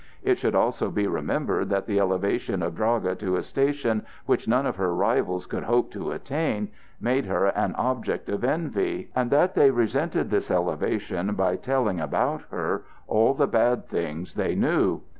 It should also be remembered that the elevation of Draga to a station which none of her rivals could hope to attain made her an object of envy, and that they resented this elevation by telling about her all the bad things they knew.